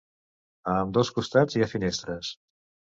A ambdós costats hi ha finestres.